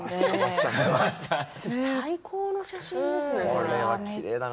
最高の写真ですね。